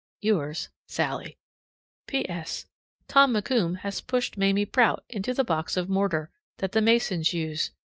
Yours, SALLIE. P.S. Tom McCoomb has pushed Mamie Prout into the box of mortar that the masons use.